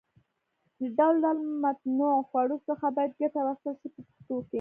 له ډول ډول متنوعو خوړو څخه باید ګټه واخیستل شي په پښتو کې.